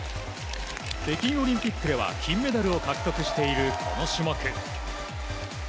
北京オリンピックでは金メダルを獲得しているこの種目。